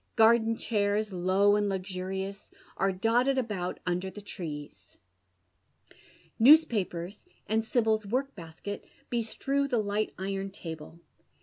Garden chairs, low and luxurious, are dotted about under the trees. Newspapers, and Sibyl's work basket, bestrew the li<fht iron table.